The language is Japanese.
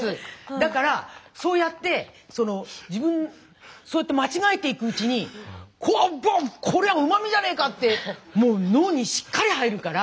だからそうやって間違えていくうちに「こっぷわっ！こりゃうま味じゃねえか！」ってもう脳にしっかり入るから。